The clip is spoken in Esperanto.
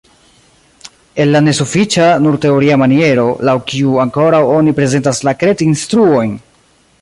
El la nesufiĉa, nur teoria maniero, laŭ kiu ankoraŭ oni prezentas la kred-instruojn!